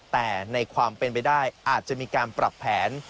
แต่ในความเป็นไปได้อาจจะมีการปรับแผน